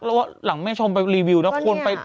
แล้วหลังแม่ชมไปรีวิวนะคุณ